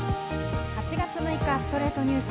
８月６日、『ストレイトニュース』。